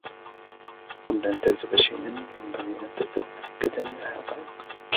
قبل أن تكتب شيئًا ، ينبغي أن تتأكد من الحقائق.